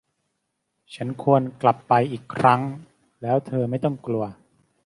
ฉันควรกลับไปอีกครั้ง แล้วเธอไม่ต้องกลัว